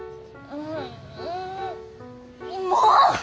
もう！